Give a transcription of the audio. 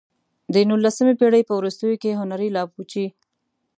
د نولسمې پېړۍ په وروستیو کې هنري لابوچي.